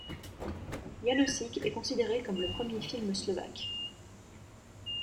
Jánošík est considéré comme le premier film slovaque.